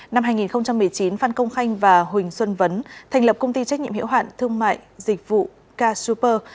năm hai nghìn một mươi chín phan công khanh và huỳnh xuân vấn thành lập công ty trách nhiệm hiệu hạn thương mại dịch vụ k super